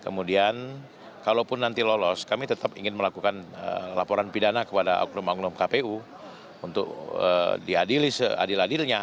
kemudian kalaupun nanti lolos kami tetap ingin melakukan laporan pidana kepada oknum oknum kpu untuk diadili seadil adilnya